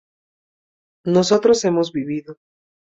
nosotros hemos vivido